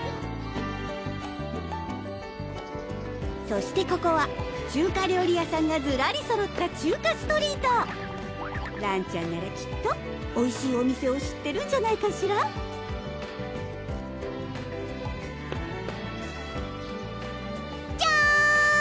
そしてここは中華料理屋さんがずらりそろった中華ストリートらんちゃんならきっとおいしいお店を知ってるんじゃないかしらジャーン！